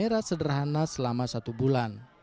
merah sederhana selama satu bulan